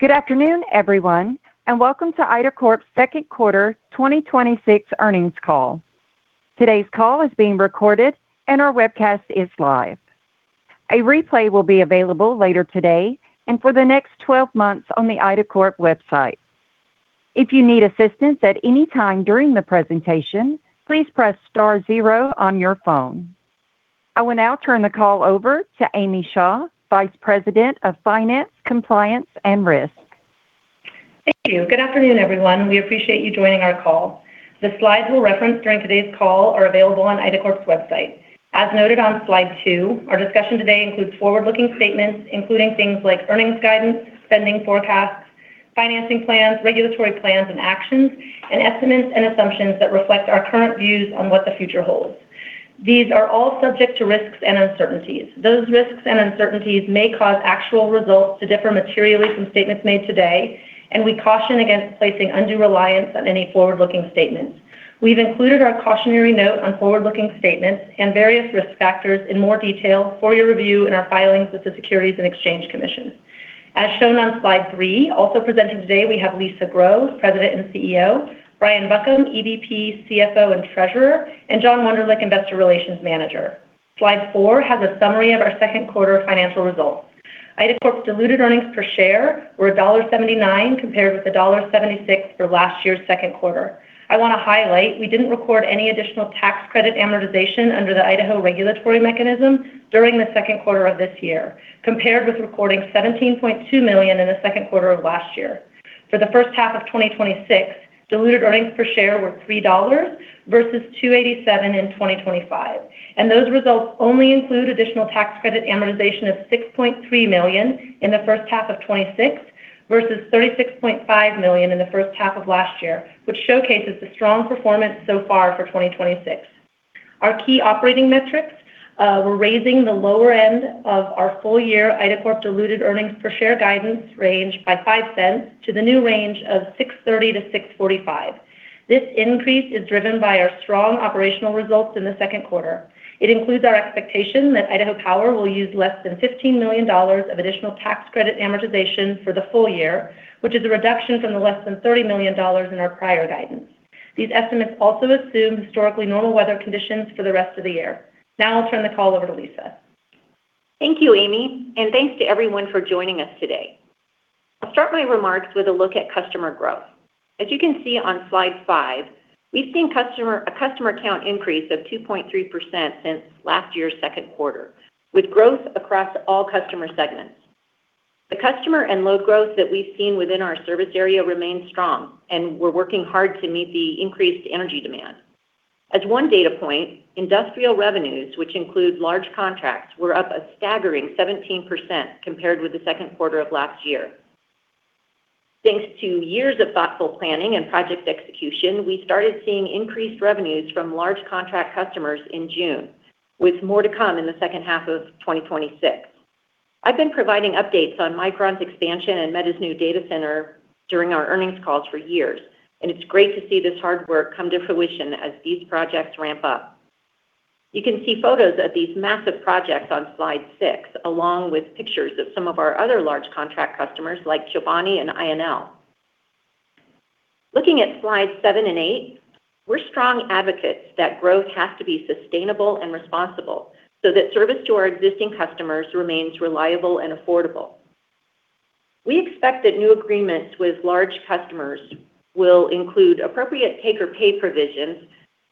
Good afternoon, everyone, welcome to IDACORP's Q2 2026 earnings call. Today's call is being recorded and our webcast is live. A replay will be available later today and for the next 12 months on the IDACORP website. If you need assistance at any time during the presentation, please press star zero on your phone. I will now turn the call over to Amy Shaw, Vice President of Finance, Compliance, and Risk. Thank you. Good afternoon, everyone. We appreciate you joining our call. The slides we'll reference during today's call are available on IDACORP's website. As noted on slide two, our discussion today includes forward-looking statements, including things like earnings guidance, spending forecasts, financing plans, regulatory plans and actions, and estimates and assumptions that reflect our current views on what the future holds. These are all subject to risks and uncertainties. Those risks and uncertainties may cause actual results to differ materially from statements made today. We caution against placing undue reliance on any forward-looking statements. We've included our cautionary note on forward-looking statements and various risk factors in more detail for your review in our filings with the Securities and Exchange Commission. As shown on slide three, also presenting today, we have Lisa Grow, President and CEO, Brian Buckham, EVP, CFO, and Treasurer, and John Wonderlich, Investor Relations Manager. Slide four has a summary of our Q2 financial results. IDACORP's diluted earnings per share were $1.79, compared with $1.76 for last year's Q2. I want to highlight we didn't record any additional tax credit amortization under the Idaho regulatory mechanism during the Q2 of this year, compared with recording $17.2 million in the Q2 of last year. For the H1 of 2026, diluted earnings per share were $3 versus $2.87 in 2025. Those results only include additional tax credit amortization of $6.3 million in the H1 of 2026 versus $36.5 million in the H1 of last year, which showcases the strong performance so far for 2026. Our key operating metrics, we're raising the lower end of our full-year IDACORP diluted earnings per share guidance range by $0.05 to the new range of $6.30 to $6.45. This increase is driven by our strong operational results in the Q2. It includes our expectation that Idaho Power will use less than $15 million of additional tax credit amortization for the full year, which is a reduction from the less than $30 million in our prior guidance. These estimates also assume historically normal weather conditions for the rest of the year. Now I'll turn the call over to Lisa. Thank you, Amy. Thanks to everyone for joining us today. I'll start my remarks with a look at customer growth. As you can see on slide five, we've seen a customer count increase of 2.3% since last year's Q2, with growth across all customer segments. The customer and load growth that we've seen within our service area remains strong, and we're working hard to meet the increased energy demand. As one data point, industrial revenues, which include large contracts, were up a staggering 17% compared with the Q2 of last year. Thanks to years of thoughtful planning and project execution, we started seeing increased revenues from large contract customers in June, with more to come in the H2 of 2026. I've been providing updates on Micron's expansion and Meta's new data center during our earnings calls for years, it's great to see this hard work come to fruition as these projects ramp up. You can see photos of these massive projects on slide six, along with pictures of some of our other large contract customers like Chobani and INL. Looking at slides seven and eight, we're strong advocates that growth has to be sustainable and responsible so that service to our existing customers remains reliable and affordable. We expect that new agreements with large customers will include appropriate take or pay provisions,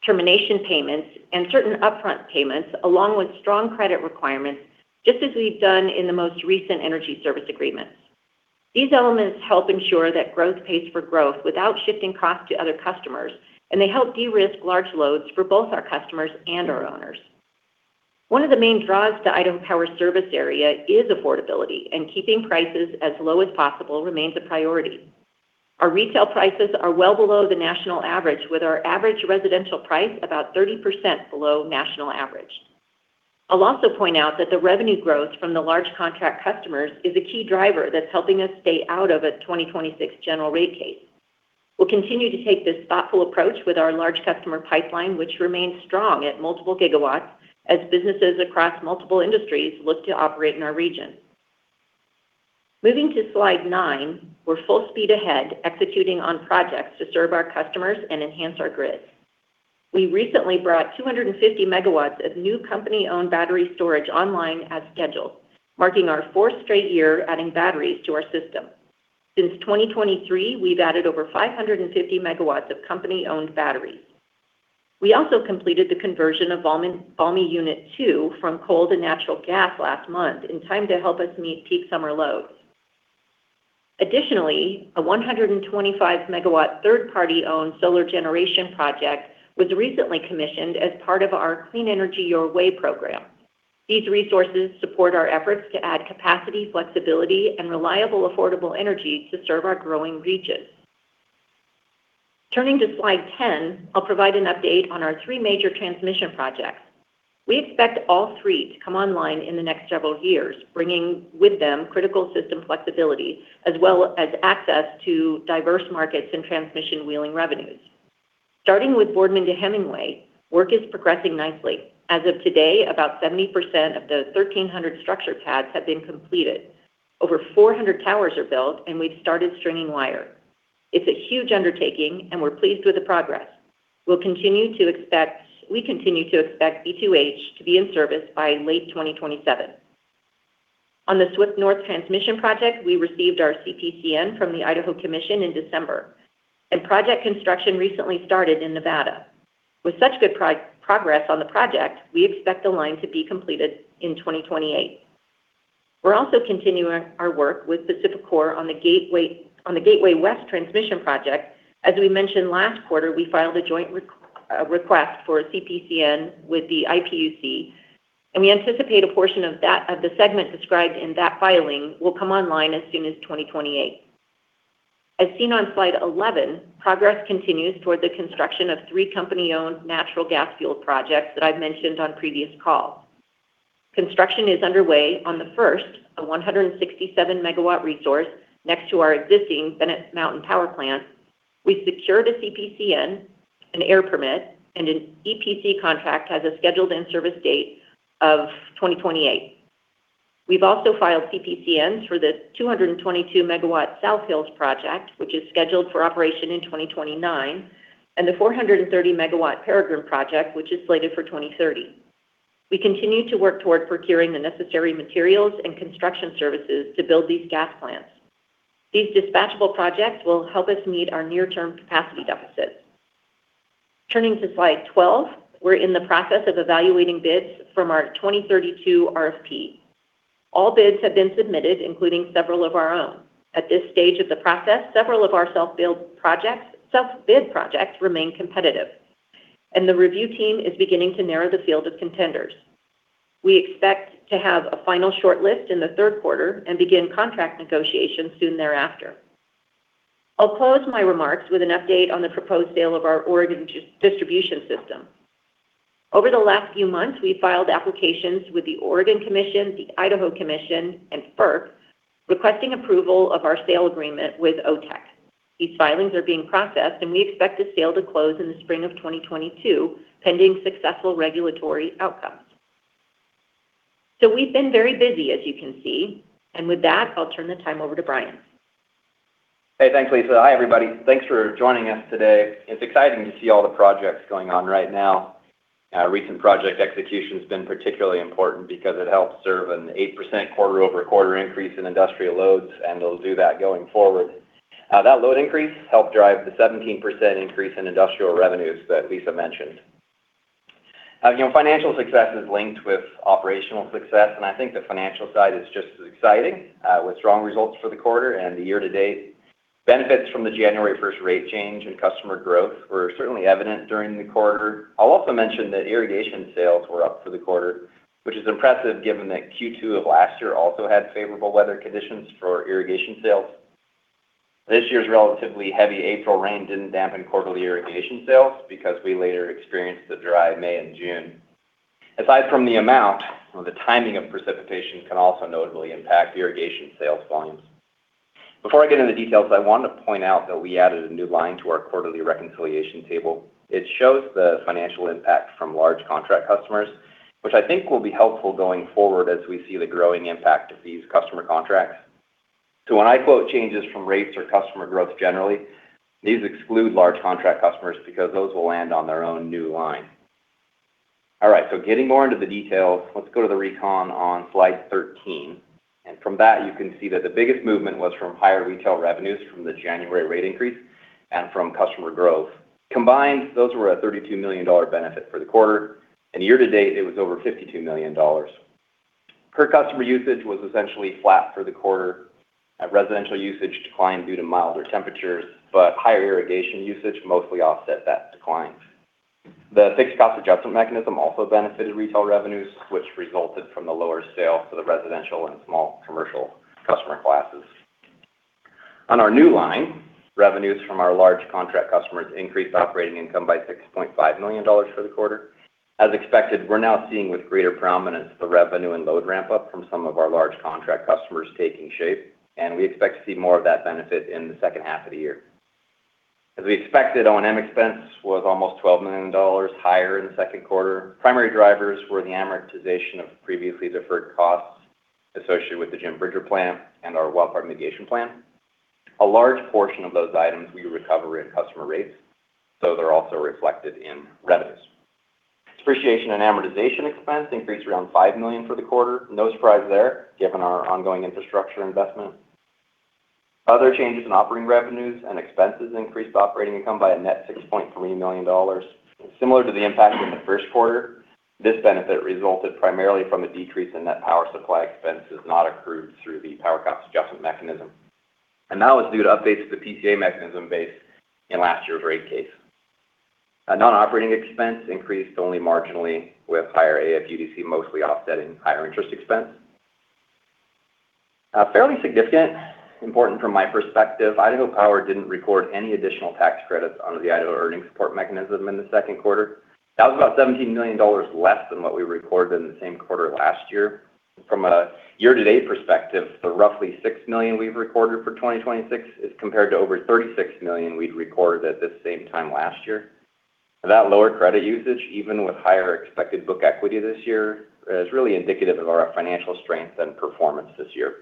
termination payments, and certain upfront payments, along with strong credit requirements, just as we've done in the most recent Energy Service Agreements. These elements help ensure that growth pays for growth without shifting costs to other customers, they help de-risk large loads for both our customers and our owners. One of the main draws to Idaho Power service area is affordability, and keeping prices as low as possible remains a priority. Our retail prices are well below the national average, with our average residential price about 30% below national average. I'll also point out that the revenue growth from the large contract customers is a key driver that's helping us stay out of a 2026 general rate case. We'll continue to take this thoughtful approach with our large customer pipeline, which remains strong at multiple gigawatts as businesses across multiple industries look to operate in our region. Moving to slide nine, we're full speed ahead executing on projects to serve our customers and enhance our grids. We recently brought 250 MW of new company-owned battery storage online as scheduled, marking our fourth straight year adding batteries to our system. Since 2023, we've added over 550 MW of company-owned batteries. We also completed the conversion of Valmy Unit 2 from coal to natural gas last month in time to help us meet peak summer loads. Additionally, a 125-MW third-party owned solar generation project was recently commissioned as part of our Clean Energy Your Way program. These resources support our efforts to add capacity, flexibility, and reliable, affordable energy to serve our growing regions. Turning to slide 10, I'll provide an update on our three major transmission projects. We expect all three to come online in the next several years, bringing with them critical system flexibility as well as access to diverse markets and transmission wheeling revenues. Starting with Boardman to Hemingway, work is progressing nicely. As of today, about 70% of the 1,300 structure pads have been completed. Over 400 towers are built, and we've started stringing wire. It's a huge undertaking, and we're pleased with the progress. We continue to expect B2H to be in service by late 2027. On the Swift North Transmission Project, we received our CPCN from the Idaho Commission in December, and project construction recently started in Nevada. With such good progress on the project, we expect the line to be completed in 2028. We're also continuing our work with PacifiCorp on the Gateway West Transmission Project. As we mentioned last quarter, we filed a joint request for a CPCN with the IPUC, and we anticipate a portion of the segment described in that filing will come online as soon as 2028. As seen on slide 11, progress continues toward the construction of three company-owned natural gas-fueled projects that I've mentioned on previous calls. Construction is underway on the first, a 167 MW resource next to our existing Bennett Mountain Power Plant. We've secured a CPCN, an air permit, and an EPC contract has a scheduled in-service date of 2028. We've also filed CPCNs for the 222 MW South Hills Project, which is scheduled for operation in 2029, and the 430 MW Peregrine Project, which is slated for 2030. We continue to work toward procuring the necessary materials and construction services to build these gas plants. These dispatchable projects will help us meet our near-term capacity deficits. Turning to slide 12, we're in the process of evaluating bids from our 2032 RFP. All bids have been submitted, including several of our own. At this stage of the process, several of our self-bid projects remain competitive, and the review team is beginning to narrow the field of contenders. We expect to have a final shortlist in the Q3 and begin contract negotiations soon thereafter. I'll close my remarks with an update on the proposed sale of our Oregon distribution system. Over the last few months, we filed applications with the Oregon Commission, the Idaho Commission, and FERC, requesting approval of our sale agreement with OTEC. These filings are being processed, and we expect the sale to close in the spring of 2022, pending successful regulatory outcomes. We've been very busy, as you can see. With that, I'll turn the time over to Brian. Hey, thanks, Lisa. Hi, everybody. Thanks for joining us today. It's exciting to see all the projects going on right now. Recent project execution's been particularly important because it helps serve an 8% quarter-over-quarter increase in industrial loads and it'll do that going forward. That load increase helped drive the 17% increase in industrial revenues that Lisa mentioned. Financial success is linked with operational success, and I think the financial side is just as exciting, with strong results for the quarter and the year to date. Benefits from the January 1st rate change and customer growth were certainly evident during the quarter. I'll also mention that irrigation sales were up for the quarter, which is impressive given that Q2 of last year also had favorable weather conditions for irrigation sales. This year's relatively heavy April rain didn't dampen quarterly irrigation sales because we later experienced the dry May and June. Aside from the amount, the timing of precipitation can also notably impact irrigation sales volumes. Before I get into the details, I wanted to point out that we added a new line to our quarterly reconciliation table. It shows the financial impact from large contract customers, which I think will be helpful going forward as we see the growing impact of these customer contracts. When I quote changes from rates or customer growth generally, these exclude large contract customers because those will land on their own new line. Getting more into the details, let's go to the recon on slide 13. From that, you can see that the biggest movement was from higher retail revenues from the January rate increase and from customer growth. Combined, those were a $32 million benefit for the quarter, and year to date it was over $52 million. Per customer usage was essentially flat for the quarter. Residential usage declined due to milder temperatures; higher irrigation usage mostly offset that decline. The fixed cost adjustment mechanism also benefited retail revenues, which resulted from the lower sale to the residential and small commercial customer classes. On our new line, revenues from our large contract customers increased operating income by $6.5 million for the quarter. As expected, we're now seeing with greater prominence the revenue and load ramp-up from some of our large contract customers taking shape, we expect to see more of that benefit in the H2 of the year. As we expected, O&M expense was almost $12 million higher in the Q2. Primary drivers were the amortization of previously deferred costs associated with the Jim Bridger Plant and our Wildfire Mitigation Plan. A large portion of those items we recover in customer rates, they're also reflected in revenues. Depreciation and amortization expense increased around $5 million for the quarter. No surprise there, given our ongoing infrastructure investment. Other changes in operating revenues and expenses increased operating income by a net $6.3 million. Similar to the impact in the Q1, this benefit resulted primarily from a decrease in net power supply expenses not accrued through the power cost adjustment mechanism, that was due to updates to the PCA mechanism based in last year's rate case. Non-operating expense increased only marginally with higher AFUDC mostly offsetting higher interest expense. Fairly significant, important from my perspective, Idaho Power didn't record any additional tax credits under the Idaho Earning Support mechanism in the Q2. That was about $17 million less than what we recorded in the same quarter last year. From a year-to-date perspective, the roughly $6 million we've recorded for 2026 is compared to over $36 million we'd recorded at the same time last year. That lower credit usage, even with higher expected book equity this year, is really indicative of our financial strength and performance this year.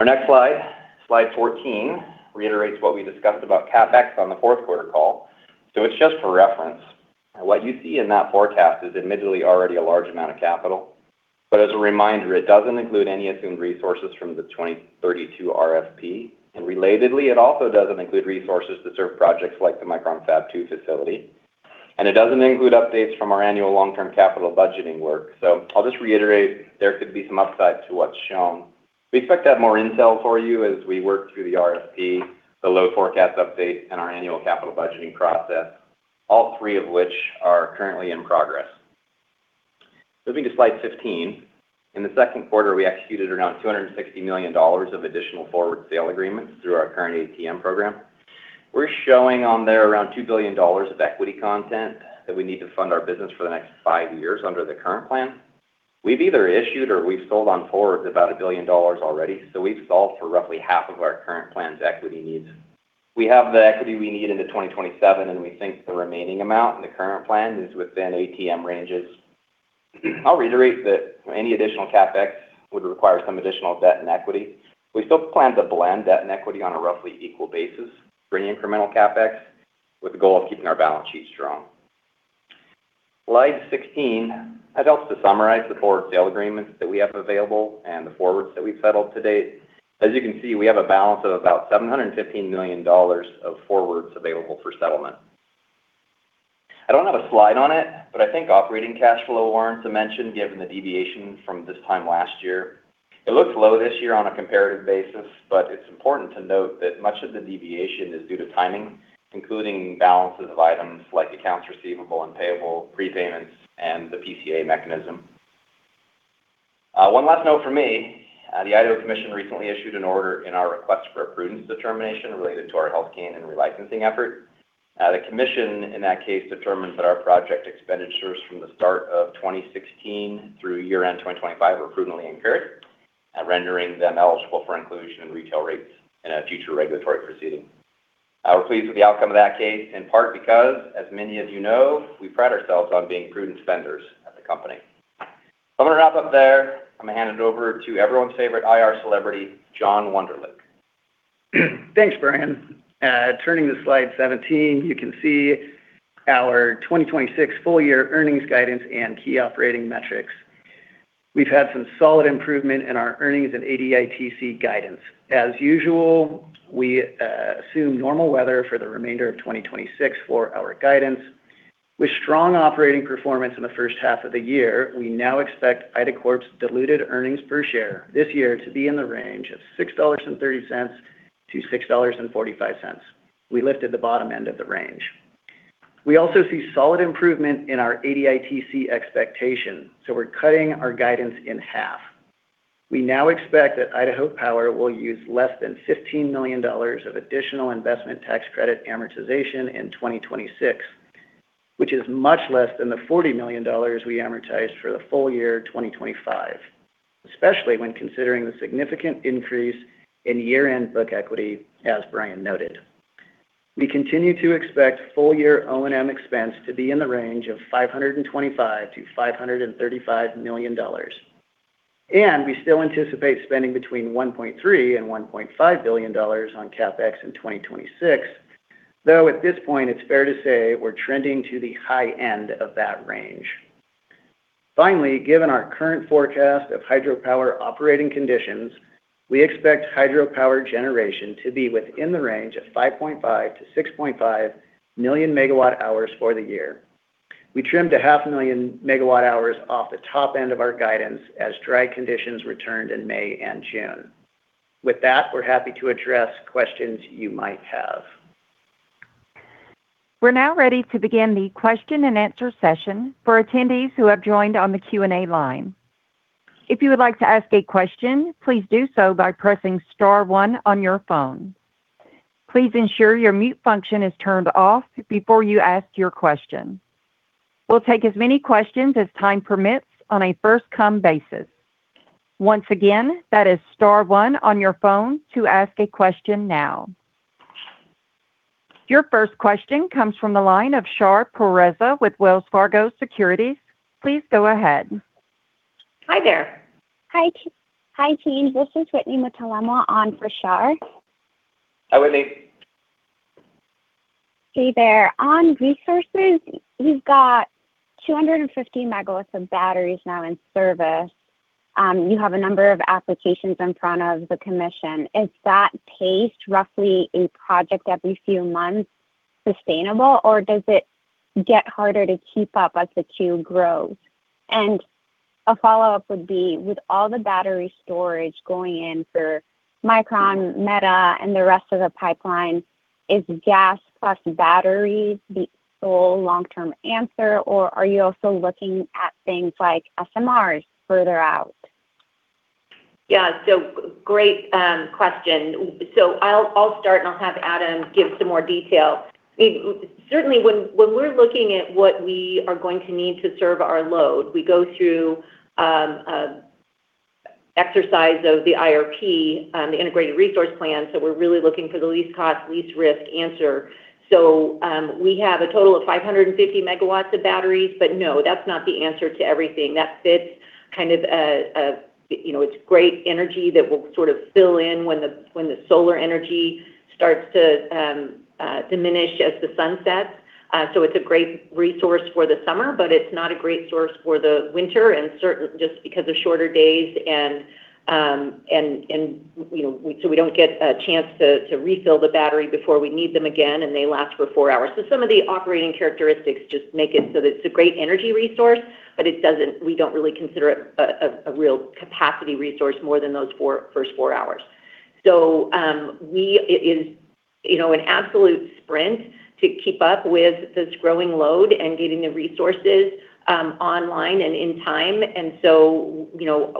Our next slide 14, reiterates what we discussed about CapEx on the Q4 call. It's just for reference. What you see in that forecast is admittedly already a large amount of capital, as a reminder, it doesn't include any assumed resources from the 2032 RFP. Relatedly, it also doesn't include resources to serve projects like the Micron Fab 2 facility. It doesn't include updates from our annual long-term capital budgeting work. I'll just reiterate there could be some upside to what's shown. We expect to have more intel for you as we work through the RFP, the load forecast update, and our annual capital budgeting process, all three of which are currently in progress. Moving to slide 15. In the Q2, we executed around $260 million of additional forward sale agreements through our current ATM program. We're showing on there around $2 billion of equity content that we need to fund our business for the next five years under the current plan. We've either issued or we've sold on forwards about $1 billion already. We've solved for roughly half of our current plan's equity needs. We have the equity we need into 2027, and we think the remaining amount in the current plan is within ATM ranges. I'll reiterate that any additional CapEx would require some additional debt and equity. We still plan to blend debt and equity on a roughly equal basis for any incremental CapEx, with the goal of keeping our balance sheet strong. Slide 16 helps to summarize the forward sale agreements that we have available and the forwards that we've settled to date. As you can see, we have a balance of about $715 million of forwards available for settlement. I don't have a slide on it, but I think operating cash flow warrants a mention given the deviation from this time last year. It looks low this year on a comparative basis, but it's important to note that much of the deviation is due to timing, including balances of items like accounts receivable and payable, prepayments, and the PCA mechanism. One last note from me. The Idaho Commission recently issued an order in our request for a prudence determination related to our Hells Canyon relicensing effort. The commission, in that case, determined that our project expenditures from the start of 2016 through year-end 2025 were prudently incurred, rendering them eligible for inclusion in retail rates in a future regulatory proceeding. We're pleased with the outcome of that case, in part because, as many of you know, we pride ourselves on being prudent spenders at the company. I'm going to wrap up there. I'm going to hand it over to everyone's favorite IR celebrity, John Wonderlich. Thanks, Brian. Turning to slide 17, you can see our 2026 full year earnings guidance and key operating metrics. We've had some solid improvement in our earnings and ADITC guidance. As usual, we assume normal weather for the remainder of 2026 for our guidance. With strong operating performance in the H1 of the year, we now expect IDACORP's diluted earnings per share this year to be in the range of $6.30-$6.45. We lifted the bottom end of the range. We also see solid improvement in our ADITC expectation, we're cutting our guidance in half. We now expect that Idaho Power will use less than $15 million of additional investment tax credit amortization in 2026, which is much less than the $40 million we amortized for the full year 2025, especially when considering the significant increase in year-end book equity, as Brian noted. We continue to expect full year O&M expense to be in the range of $525-$535 million. We still anticipate spending between $1.3 billion and $1.5 billion on CapEx in 2026, though at this point it's fair to say we're trending to the high end of that range. Finally, given our current forecast of hydropower operating conditions, we expect hydropower generation to be within the range of 5.5-6.5 million MWh for the year. We trimmed a half a million MWh off the top end of our guidance as dry conditions returned in May and June. With that, we're happy to address questions you might have. We're now ready to begin the question-and-answer session for attendees who have joined on the Q&A line. If you would like to ask a question, please do so by pressing star one on your phone. Please ensure your mute function is turned off before you ask your question. We'll take as many questions as time permits on a first come basis. Once again, that is star one on your phone to ask a question now. Your first question comes from the line of Shar Pourreza with Wells Fargo Securities. Please go ahead. Hi there. Hi, team. This is Whitney Mutalemwa on for Shar. Hi, Whitney. Hey there. On resources, you've got 250 megawatts of batteries now in service. You have a number of applications in front of the commission. Is that pace, roughly a project every few months, sustainable, or does it get harder to keep up as the queue grows? A follow-up would be, with all the battery storage going in for Micron, Meta, and the rest of the pipeline, is gas plus batteries the sole long-term answer, or are you also looking at things like SMRs further out? Yeah. Great question. I'll start, and I'll have Adam give some more detail. Certainly, when we're looking at what we are going to need to serve our load, we go through an exercise of the IRP, the Integrated Resource Plan. We're really looking for the least cost, least risk answer. We have a total of 550 megawatts of batteries. No, that's not the answer to everything. It's great energy that will sort of fill in when the solar energy starts to diminish as the sun sets. It's a great resource for the summer, but it's not a great source for the winter just because of shorter days and we don't get a chance to refill the battery before we need them again, and they last for four hours. Some of the operating characteristics just make it so that it's a great energy resource, but we don't really consider it a real capacity resource more than those first four hours. It is an absolute sprint to keep up with this growing load and getting the resources online and in time.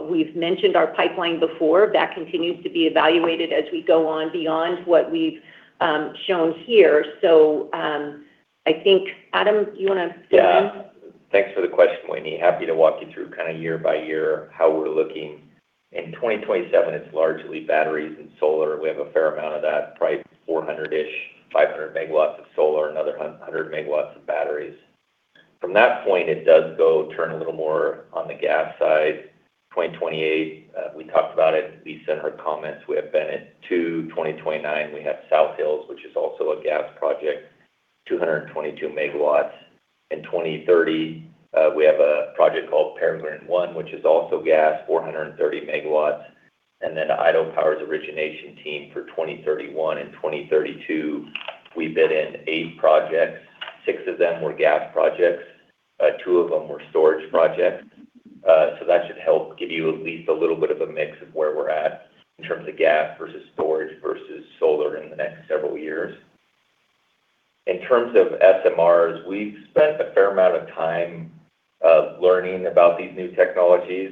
We've mentioned our pipeline before. That continues to be evaluated as we go on beyond what we've shown here. I think, Adam, you want to fill in? Yeah. Thanks for the question, Whitney. Happy to walk you through year by year how we're looking. In 2027, it's largely batteries and solar. We have a fair amount of that, probably 400-ish, 500 MW of solar, another 100 MW of batteries. From that point, it does go turn a little more on the gas side. 2028, we talked about it, Lisa and her comments, we have Bennett 2. 2029, we have South Hills, which is also a gas project, 222 MW. In 2030, we have a project called Peregrine 1, which is also gas, 430 MW. Idaho Power's origination team for 2031 and 2032, we bid in eight projects. Six of them were gas projects. Two of them were storage projects. That should help give you at least a little bit of a mix of where we're at in terms of gas versus storage versus solar in the next several years. In terms of SMRs, we've spent a fair amount of time learning about these new technologies.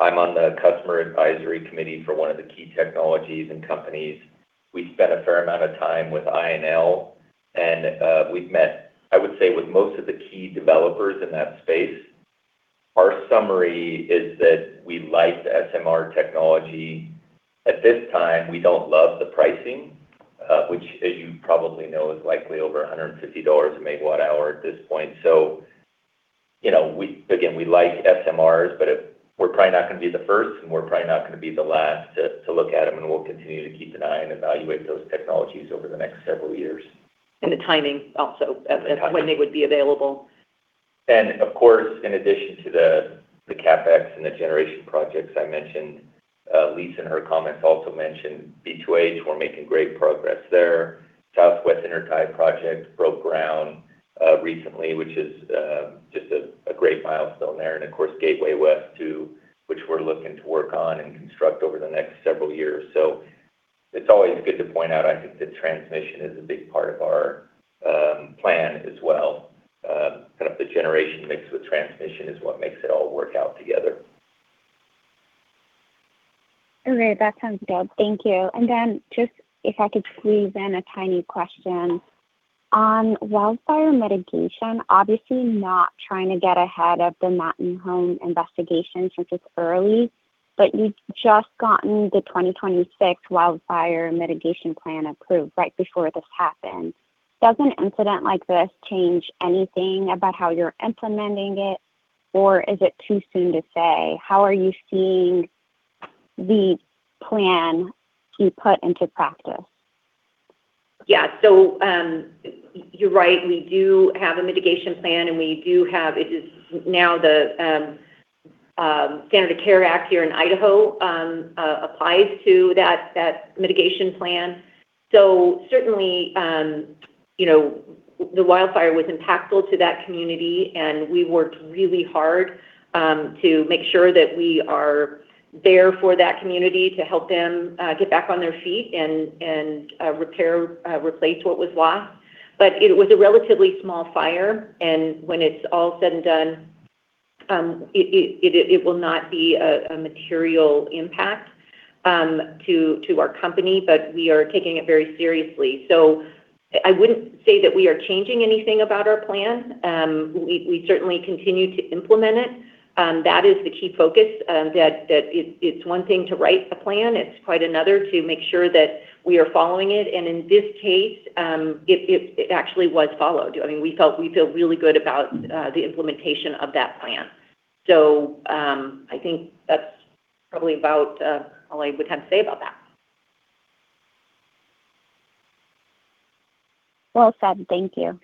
I'm on the customer advisory committee for one of the key technologies and companies. We spent a fair amount of time with INL and we've met, I would say, with most of the key developers in that space. Our summary is that we like SMR technology. At this time, we don't love the pricing, which as you probably know, is likely over $150 a MWh at this point. Again, we like SMRs, but we're probably not going to be the first, and we're probably not going to be the last to look at them. We'll continue to keep an eye and evaluate those technologies over the next several years. The timing also when they would be available. Of course, in addition to the CapEx and the generation projects I mentioned, Lisa in her comments also mentioned B2H. We're making great progress there. Southwest Intertie Project broke ground recently, which is just a great milestone there. Of course, Gateway West too, which we're looking to work on and construct over the next several years. It's always good to point out, I think, that transmission is a big part of our plan as well. The generation mixed with transmission is what makes it all work out together. All right. That sounds good. Thank you. Then just if I could squeeze in a tiny question. On wildfire mitigation, obviously not trying to get ahead of the Mountain Home investigation, since it's early, but you'd just gotten the 2026 Wildfire Mitigation Plan approved right before this happened. Does an incident like this change anything about how you're implementing it, or is it too soon to say? How are you seeing the plan be put into practice? Yeah. You're right. We do have a mitigation plan, and now the Wildfire Standard of Care Act here in Idaho applies to that mitigation plan. Certainly, the wildfire was impactful to that community, and we worked really hard to make sure that we are there for that community to help them get back on their feet and repair, replace what was lost. It was a relatively small fire, and when it's all said and done, it will not be a material impact to our company, but we are taking it very seriously. I wouldn't say that we are changing anything about our plan. We certainly continue to implement it. That is the key focus. That it's one thing to write the plan. It's quite another to make sure that we are following it. In this case, it actually was followed. We feel really good about the implementation of that plan. I think that's probably about all I would have to say about that. Well said. Thank you.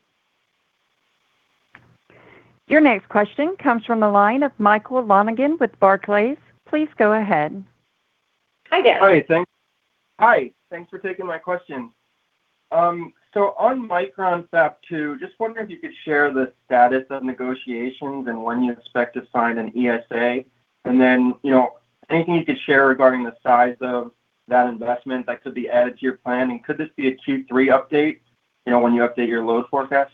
Your next question comes from the line of Michael Lonegan with Barclays. Please go ahead. Hi, Michael. Hi. Thanks for taking my question. On Micron fab 2, just wondering if you could share the status of negotiations and when you expect to sign an ESA, anything you could share regarding the size of that investment that could be added to your planning. Could this be a Q3 update when you update your load forecast?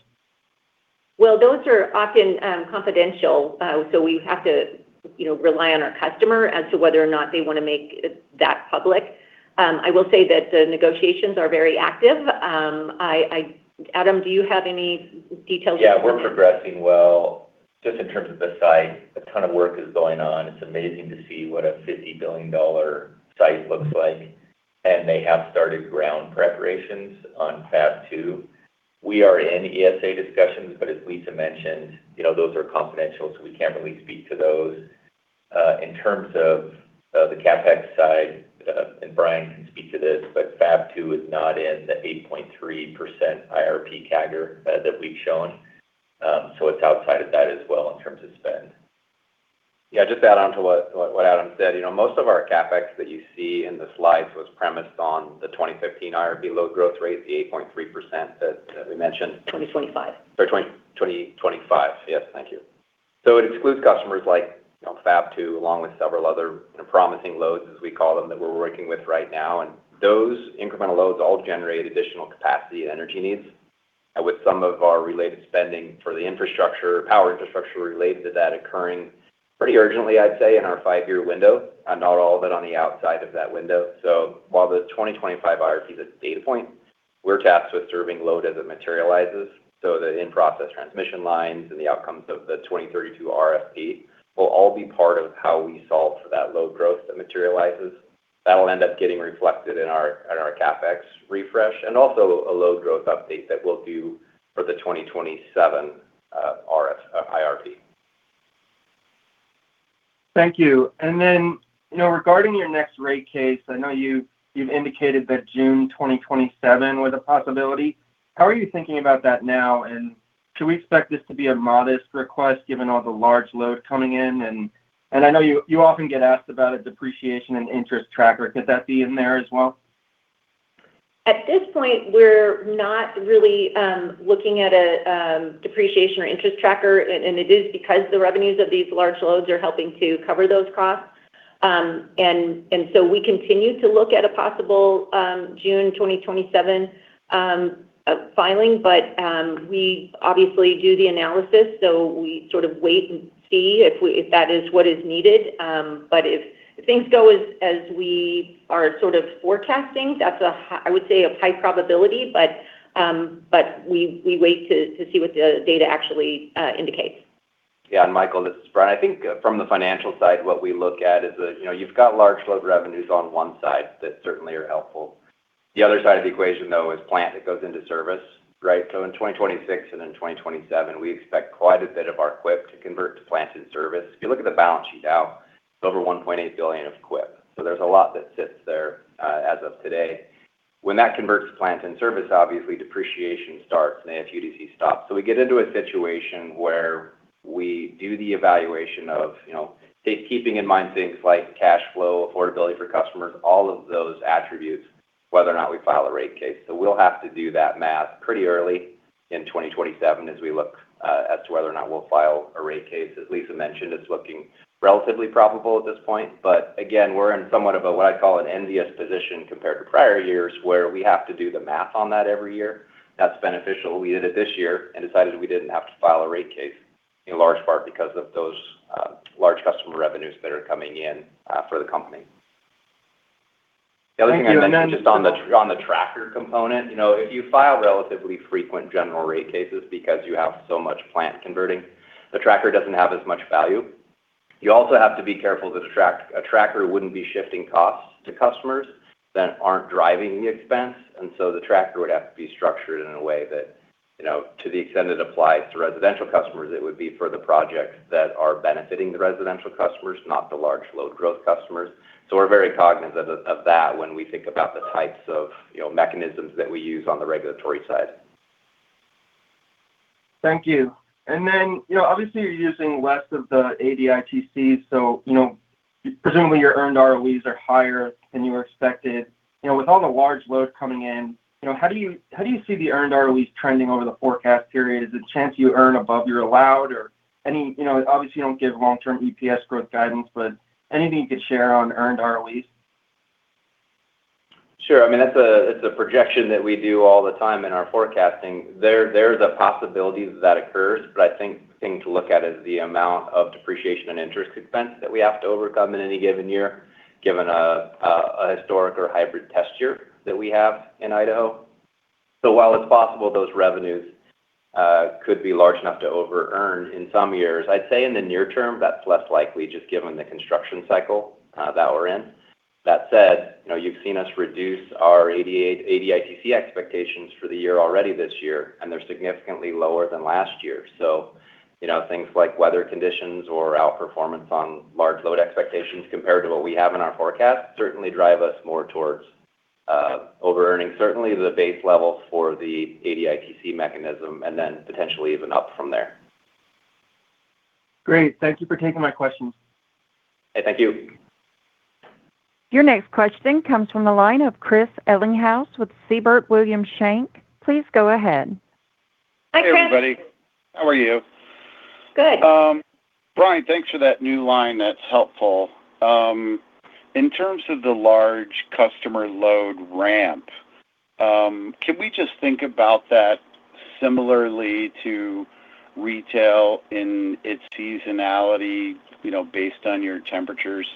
Those are often confidential, we have to rely on our customer as to whether or not they want to make that public. I will say that the negotiations are very active. Adam, do you have any details? We're progressing well. In terms of the site, a ton of work is going on. It's amazing to see what a $50 billion site looks like, they have started ground preparations on fab 2. We are in ESA discussions, as Lisa mentioned, those are confidential, we can't really speak to those. In terms of the CapEx side, Brian can speak to this, fab 2 is not in the 8.3% IRP CAGR that we've shown. It's outside of that as well in terms of spend. Yeah, just to add on to what Adam said, most of our CapEx that you see in the slides was premised on the 2015 IRP load growth rate, the 8.3% that we mentioned. 2025. Sorry, 2025. Yes. Thank you. It excludes customers like Fab 2, along with several other promising loads, as we call them, that we're working with right now. Those incremental loads all generate additional capacity and energy needs. With some of our related spending for the power infrastructure related to that occurring pretty urgently, I'd say, in our five-year window, and not all of it on the outside of that window. While the 2025 IRP is a data point, we're tasked with serving load as it materializes. The in-process transmission lines and the outcomes of the 2032 RFP will all be part of how we solve for that load growth that materializes. That'll end up getting reflected in our CapEx refresh, and also a load growth update that we'll do for the 2027 IRP. Thank you. Then, regarding your next rate case, I know you've indicated that June 2027 was a possibility. How are you thinking about that now? Can we expect this to be a modest request given all the large load coming in? I know you often get asked about a depreciation and interest tracker. Could that be in there as well? At this point, we're not really looking at a depreciation or interest tracker, it is because the revenues of these large loads are helping to cover those costs. We continue to look at a possible June 2027 filing, we obviously do the analysis, we sort of wait and see if that is what is needed. If things go as we are sort of forecasting, that's, I would say, a high probability, we wait to see what the data actually indicates. Michael, this is Brian. I think from the financial side, what we look at is you've got large load revenues on one side that certainly are helpful. The other side of the equation, though, is plant that goes into service. In 2026 and in 2027, we expect quite a bit of our CapEx to convert to plant in service. If you look at the balance sheet now, it's over $1.8 billion of CapEx. There's a lot that sits there as of today. When that converts to plant in service, obviously, depreciation starts and AFUDC stops. We get into a situation where we do the evaluation of keeping in mind things like cash flow, affordability for customers, all of those attributes, whether or not we file a rate case. We'll have to do that math pretty early in 2027 as we look as to whether or not we'll file a rate case. As Lisa mentioned, it's looking relatively probable at this point. Again, we're in somewhat of what I call an envious position compared to prior years, where we have to do the math on that every year. That's beneficial. We did it this year and decided we didn't have to file a rate case, in large part because of those large customer revenues that are coming in for the company. The other thing I'd mention, just on the tracker component, if you file relatively frequent general rate cases because you have so much plant converting, the tracker doesn't have as much value. You also have to be careful because a tracker wouldn't be shifting costs to customers that aren't driving the expense. The tracker would have to be structured in a way that to the extent it applies to residential customers, it would be for the projects that are benefiting the residential customers, not the large load growth customers. We're very cognizant of that when we think about the types of mechanisms that we use on the regulatory side. Thank you. Obviously you're using less of the ADITCs, presumably your earned ROEs are higher than you expected. With all the large load coming in, how do you see the earned ROEs trending over the forecast period? Is the chance you earn above, you're allowed or obviously you don't give long-term EPS growth guidance, but anything you could share on earned ROEs? Sure. It's a projection that we do all the time in our forecasting. There's a possibility that occurs, but I think the thing to look at is the amount of depreciation and interest expense that we have to overcome in any given year, given a historic or hybrid test year that we have in Idaho. While it's possible those revenues could be large enough to over earn in some years, I'd say in the near term, that's less likely just given the construction cycle that we're in. That said, you've seen us reduce our ADITC expectations for the year already this year, and they're significantly lower than last year. Things like weather conditions or outperformance on large load expectations compared to what we have in our forecast certainly drive us more towards over earning, certainly the base level for the ADITC mechanism, and then potentially even up from there. Great. Thank you for taking my questions. Thank you. Your next question comes from the line of Chris Ellinghaus with Siebert Williams Shank. Please go ahead. Hi, Chris. Hey, everybody. How are you? Good. Brian, thanks for that new line. That's helpful. In terms of the large customer load ramp, can we just think about that similarly to retail in its seasonality, based on your temperatures?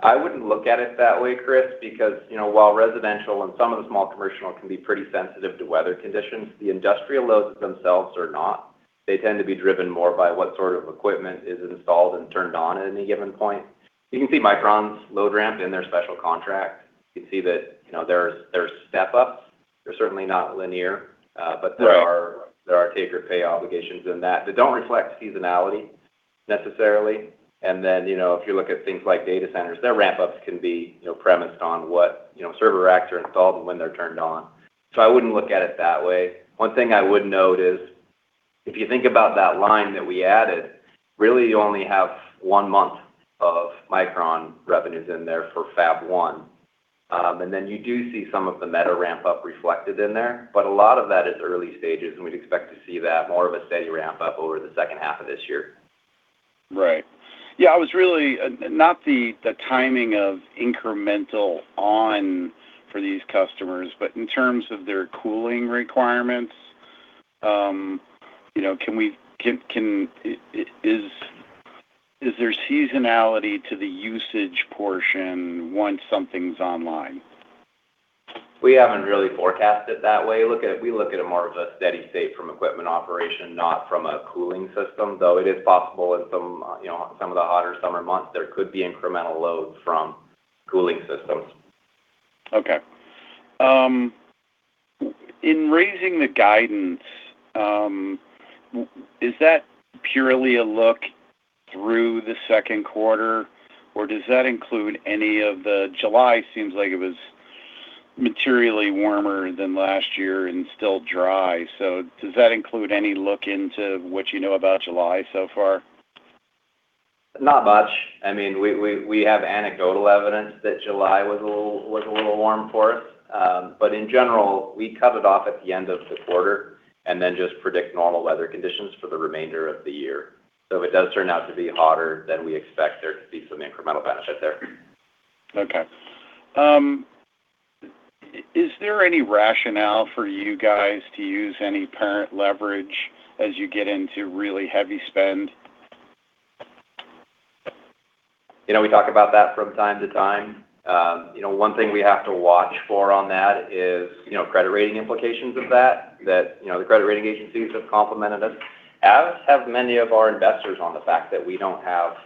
I wouldn't look at it that way, Chris, because while residential and some of the small commercial can be pretty sensitive to weather conditions, the industrial loads themselves are not. They tend to be driven more by what sort of equipment is installed and turned on at any given point. You can see Micron's load ramp in their special contract. You can see that there's step-ups. They're certainly not linear. Right. There are take or pay obligations in that. They don't reflect seasonality necessarily. If you look at things like data centers, their ramp-ups can be premised on what server racks are installed and when they're turned on. I wouldn't look at it that way. One thing I would note is, if you think about that line that we added, really you only have one month of Micron revenues in there for Fab 1. You do see some of the Meta ramp-up reflected in there, but a lot of that is early stages, and we'd expect to see that more of a steady ramp-up over the H2 of this year. Right. Yeah, it was really not the timing of incremental on for these customers, but in terms of their cooling requirements. Is there seasonality to the usage portion once something's online? We haven't really forecasted that way. We look at it more of a steady state from equipment operation, not from a cooling system, though it is possible in some of the hotter summer months, there could be incremental loads from cooling systems. Okay. In raising the guidance, is that purely a look through the Q2, or does that include any of the July? Seems like it was materially warmer than last year and still dry. Does that include any look into what you know about July so far? Not much. We have anecdotal evidence that July was a little warm for us. In general, we cut it off at the end of the quarter and then just predict normal weather conditions for the remainder of the year. If it does turn out to be hotter, then we expect there to be some incremental benefit there. Okay. Is there any rationale for you guys to use any parent leverage as you get into really heavy spend? We talk about that from time to time. One thing we have to watch for on that is credit rating implications of that. The credit rating agencies have complimented us, as have many of our investors, on the fact that we don't have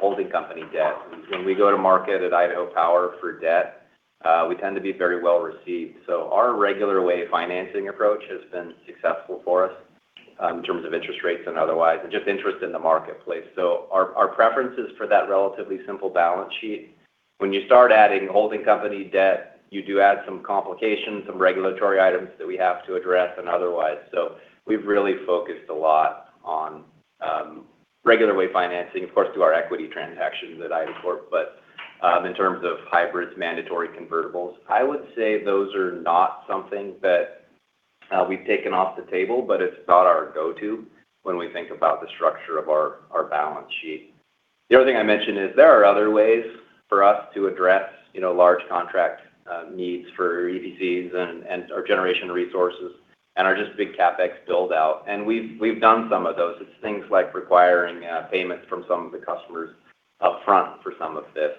holding company debt. When we go to market at Idaho Power for debt, we tend to be very well-received. Our regular way financing approach has been successful for us in terms of interest rates and otherwise, and just interest in the marketplace. Our preference is for that relatively simple balance sheet. When you start adding holding company debt, you do add some complications, some regulatory items that we have to address, and otherwise. We've really focused a lot on regular way financing, of course, through our equity transaction at IDACORP. In terms of hybrids, mandatory convertibles, I would say those are not something that we've taken off the table, but it's not our go-to when we think about the structure of our balance sheet. The other thing I mentioned is there are other ways for us to address large contract needs for EDCs and our generation resources and our just big CapEx build-out. We've done some of those. It's things like requiring payments from some of the customers up front for some of this.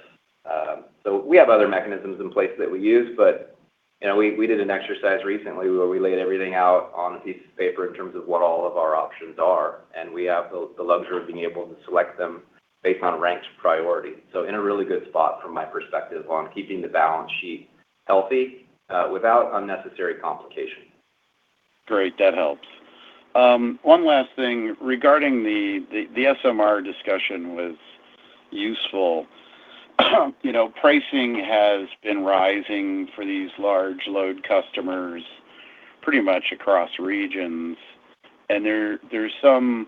We have other mechanisms in place that we use, but we did an exercise recently where we laid everything out on a piece of paper in terms of what all of our options are, and we have the luxury of being able to select them based on ranked priority. In a really good spot from my perspective on keeping the balance sheet healthy without unnecessary complication. Great. That helps. One last thing: regarding the SMR discussion was useful. Pricing has been rising for these large load customers pretty much across regions, and there's some,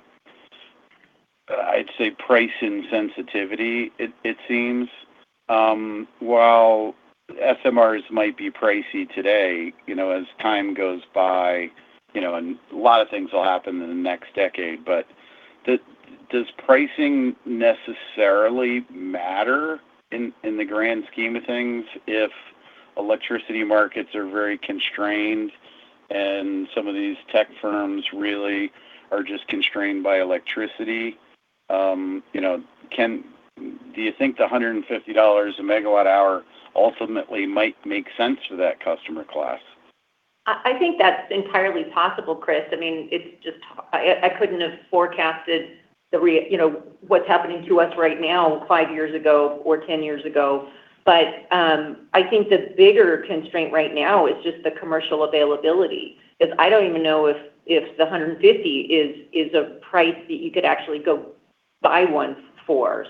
I'd say, price insensitivity, it seems. While SMRs might be pricey today, as time goes by, and a lot of things will happen in the next decade, does pricing necessarily matter in the grand scheme of things if electricity markets are very constrained and some of these tech firms really are just constrained by electricity? Do you think the $150 a megawatt-hour ultimately might make sense for that customer class? I think that's entirely possible, Chris. I couldn't have forecasted what's happening to us right now five years ago or 10 years ago. I think the bigger constraint right now is just the commercial availability. I don't even know if the $150 is a price that you could actually go buy one for.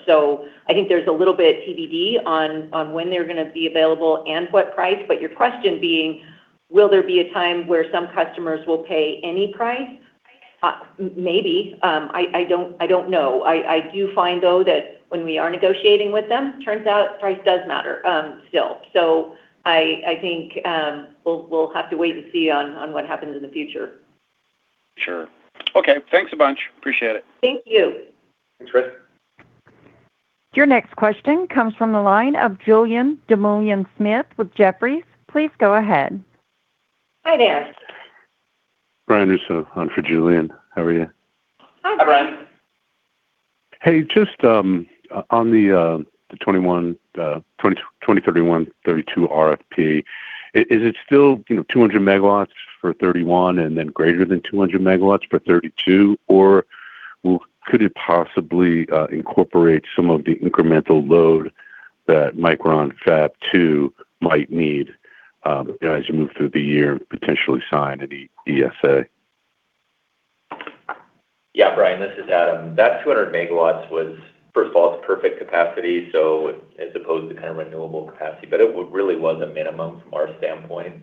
I think there's a little bit TBD on when they're going to be available and what price. Your question being, will there be a time where some customers will pay any price? Maybe. I don't know. I do find, though, that when we are negotiating with them, turns out price does matter still. I think we'll have to wait and see on what happens in the future. Sure. Okay. Thanks a bunch. Appreciate it. Thank you. Thanks, Chris. Your next question comes from the line of Julien Dumoulin-Smith with Jefferies. Please go ahead. Hi there. Brian, on for Julien. How are you? Hi, Brian. Hey, just on the 2031, 2032 RFP, is it still 200 MW for 2031 and then greater than 200 MW for 2032, or could it possibly incorporate some of the incremental load that Micron Fab 2 might need as you move through the year and potentially sign any DSA? Yeah, Brian, this is Adam. That 200 MW was, first of all, it's perfect capacity, so as opposed to renewable capacity. It really was a minimum from our standpoint.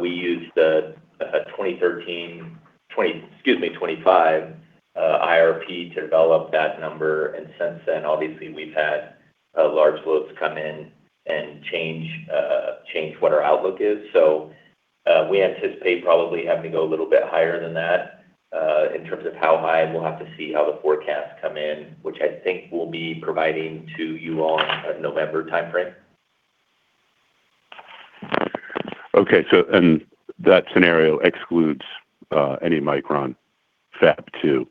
We used a 2013, excuse me, 2025 IRP to develop that number, since then, obviously, we've had large loads come in and change what our outlook is. We anticipate probably having to go a little bit higher than that. In terms of how high, we'll have to see how the forecasts come in, which I think we'll be providing to you all November timeframe. Okay. That scenario excludes any Micron Fab 2 capacity.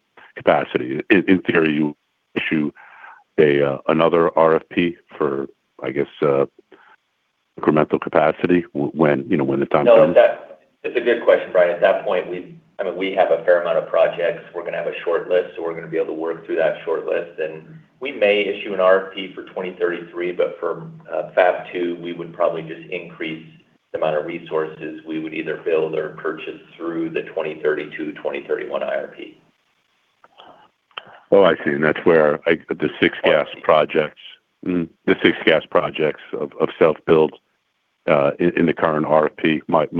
In theory, you issue another RFP for, I guess, incremental capacity when the time comes? No, that's a good question, Brian. At that point, we have a fair number of projects. We're going to have a short list, so we're going to be able to work through that short list. We may issue an RFP for 2033, but for Fab 2, we would probably just increase the number of resources we would either build or purchase through the 2032, 2031 IRP. Oh, I see, that's where the six gas projects of self-build in the current RFP might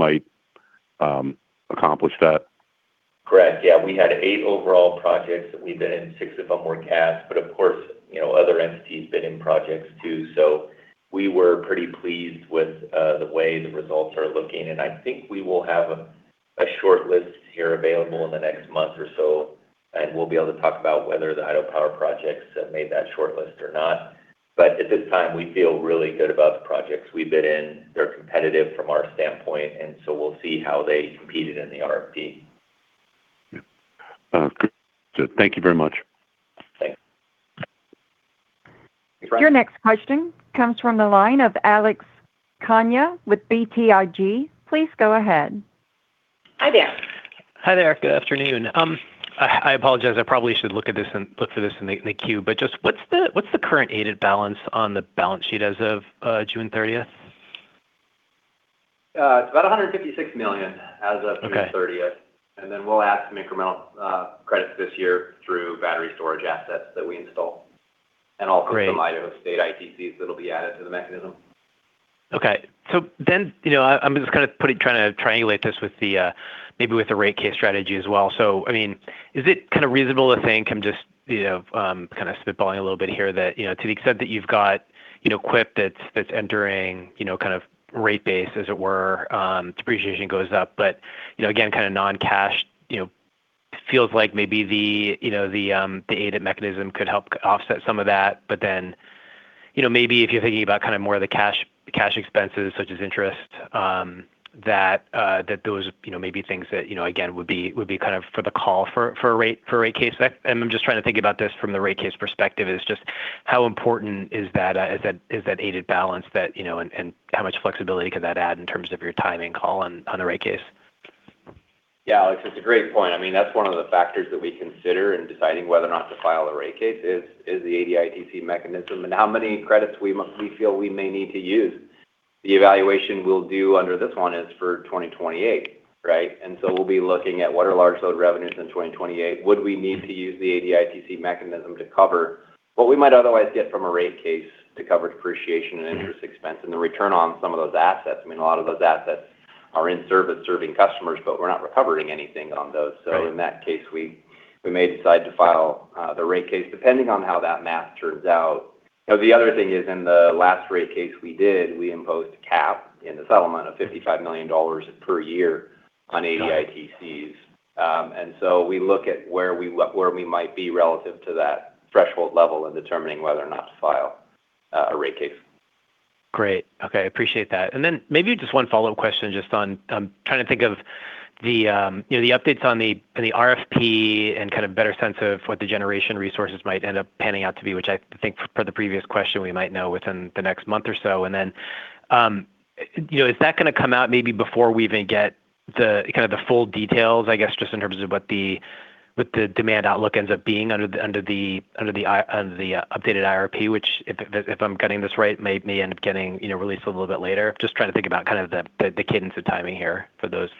accomplish that. Correct. Yeah. We had 8 overall projects that we bid in. 6 of them were gas, but of course, other entities bid in projects too. We were pretty pleased with the way the results are looking, and I think we will have a short list here available in the next month or so, and we'll be able to talk about whether the Idaho Power projects have made that short list or not. At this time, we feel really good about the projects we bid in. They're competitive from our standpoint, and we'll see how they competed in the RFP. Okay. Good. Thank you very much. Thanks Brian. Your next question comes from the line of Alex Kania with BTIG. Please go ahead. Hi there. Hi there. Good afternoon. I apologize, I probably should look for this in the queue, just what's the current ADITC balance on the balance sheet as of June 30th? It's about $156 million as of June 30th. Okay. We'll add some incremental credits this year through battery storage assets that we install. Great. Some Idaho State ITCs that'll be added to the mechanism. I'm just trying to triangulate this maybe with the rate case strategy as well. Is it reasonable to think, I'm just spit-balling a little bit here, that to the extent that you've got equip that's entering rate base, as it were, depreciation goes up. Again, non-cash, feels like maybe the ADITC mechanism could help offset some of that. Maybe if you're thinking about more of the cash expenses, such as interest, that those may be things that, again, would be for the call for a rate case. I'm just trying to think about this from the rate case perspective is just how important is that ADITC balance and how much flexibility could that add in terms of your timing call on the rate case? Yeah, Alex, it's a great point. That's one of the factors that we consider in deciding whether or not to file a rate case is the ADITC mechanism and how many credits we feel we may need to use. The evaluation we'll do under this one is for 2028, right? We'll be looking at what are large load revenues in 2028. Would we need to use the ADITC mechanism to cover what we might otherwise get from a rate case to cover depreciation and interest expense and the return on some of those assets. A lot of those assets are in service serving customers, but we're not recovering anything on those. In that case, we may decide to file the rate case, depending on how that math turns out. The other thing is, in the last rate case we did, we imposed a cap in the settlement of $55 million per year on ADITCs. We look at where we might be relative to that threshold level in determining whether or not to file a rate case. Maybe just one follow-up question just on, trying to think of the updates on the RFP and better sense of what the generation resources might end up panning out to be, which I think for the previous question, we might know within the next month or so. Is that going to come out maybe before we even get the full details, I guess, just in terms of what the demand outlook ends up being under the updated IRP, which, if I'm getting this right, may end up getting released a little bit later? Just trying to think about the cadence of timing here for those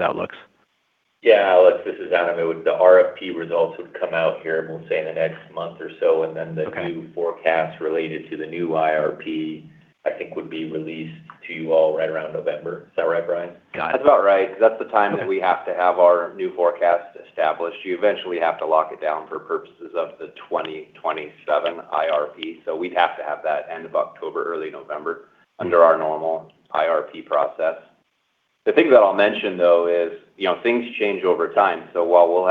outlooks. Alex, this is Adam. The RFP results would come out here, we'll say, in the next month or so. The new forecast related to the new IRP, I think, would be released to you all right around November. Is that right, Brian? Got it. That's about right, because that's the time that we have to have our new forecast established. You eventually have to lock it down for purposes of the 2027 IRP. We'd have to have that end of October, early November under our normal IRP process. The thing that I'll mention, though, is things change over time. While we'll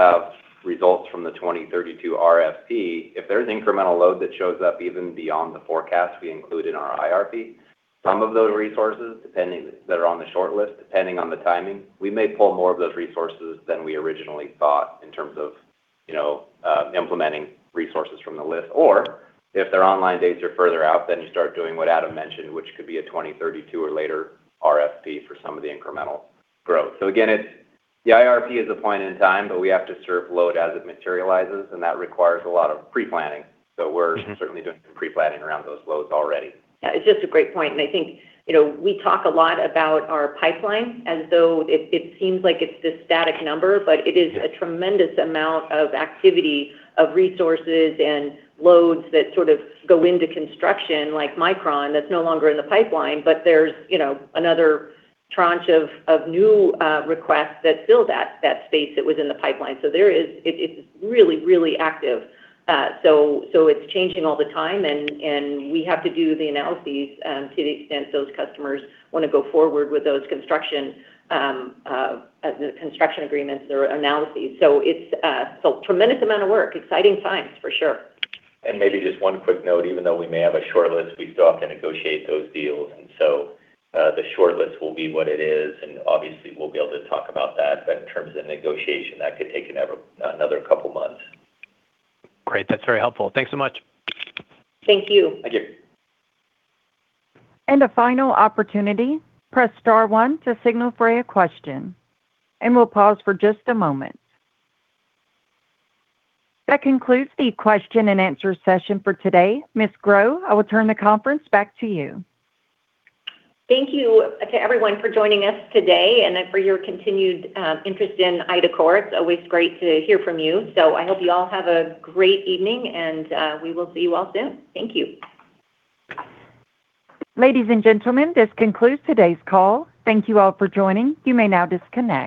have results from the 2032 RFP, if there's incremental load that shows up even beyond the forecast we include in our IRP, some of those resources that are on the short list, depending on the timing, we may pull more of those resources than we originally thought in terms of implementing resources from the list. Or if their online dates are further out, then you start doing what Adam mentioned, which could be a 2032 or later RFP for some of the incremental growth. Again, the IRP is a point in time, we have to serve load as it materializes, that requires a lot of pre-planning. We're certainly doing some pre-planning around those loads already. Yeah. It's just a great point, I think we talk a lot about our pipeline as though it seems like it's this static number, it is a tremendous amount of activity of resources and loads that sort of go into construction, like Micron, that's no longer in the pipeline. There's another tranche of new requests that fill that space that was in the pipeline. It's really, really active. It's changing all the time; we have to do the analyses to the extent those customers want to go forward with those construction agreements or analyses. It's a tremendous amount of work. Exciting times, for sure. Maybe just one quick note. Even though we may have a short list, we still have to negotiate those deals. The short list will be what it is, obviously we'll be able to talk about that. In terms of negotiation, that could take another couple of months. Great. That's very helpful. Thanks so much. Thank you. Thank you. A final opportunity, press star one to signal for a question. We'll pause for just a moment. That concludes the question-and-answer session for today. Ms. Grow, I will turn the conference back to you. Thank you to everyone for joining us today and for your continued interest in IDACORP. It's always great to hear from you. I hope you all have a great evening, and we will see you all soon. Thank you. Ladies and gentlemen, this concludes today's call. Thank you all for joining. You may now disconnect.